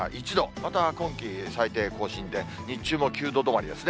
また今季最低更新で、日中も９度止まりですね。